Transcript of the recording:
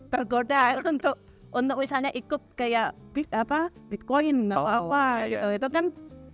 tergoda untuk misalnya ikut kayak bitcoin atau apa gitu itu kan